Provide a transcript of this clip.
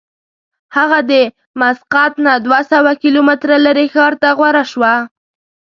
هغه د مسقط نه دوه سوه کیلومتره لرې ښار ته غوره شوه.